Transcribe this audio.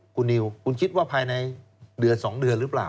คุณคิดว่าภายในเดือนสองเดือนหรือเปล่า